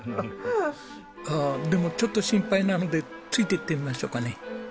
でもちょっと心配なのでついていってみましょうかね。